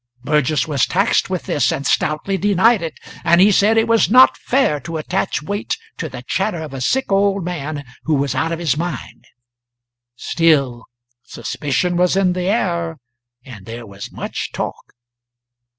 Burgess was taxed with this and stoutly denied it. And he said it was not fair to attach weight to the chatter of a sick old man who was out of his mind. Still, suspicion was in the air, and there was much talk.